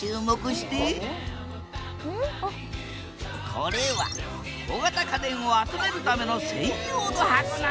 これは小型家電を集めるための専用の箱なんだ